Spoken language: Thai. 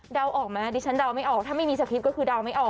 เดาออกมั้ยดิฉันเดาไม่ออกถ้าไม่มีสติปก็คือเดาไม่ออก